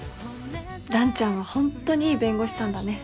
蘭ちゃんは本当にいい弁護士さんだね。